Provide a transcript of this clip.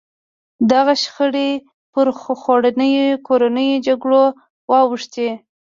دغه شخړې پر خونړیو کورنیو جګړو واوښتې.